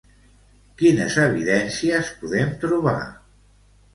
Quines evidències podem trobar?